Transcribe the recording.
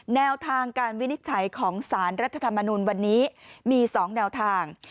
แนวทางการวินิจฉัยของสารรัฐธรรมนุนวันนี้มี๒แนวทาง